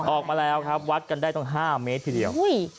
ออกมาแล้วครับวัดกันได้ตั้ง๕เมตรทีเดียว